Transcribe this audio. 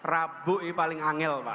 rabu itu paling anggil pak